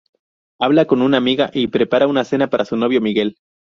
Habla con una amiga y prepara una cena para su novio, Miguel.